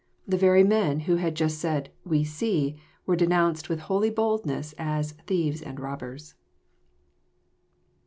The very men who had just said " We see," were denounced with holy boldness, as " thieves and robbers."